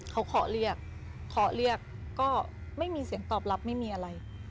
เขาเคาะเรียกเคาะเรียกก็ไม่มีเสียงตอบรับไม่มีอะไร